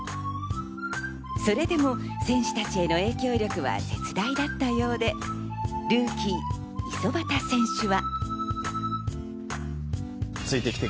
それでも選手たちへの影響力は絶大だったようでルーキー五十幡選手は。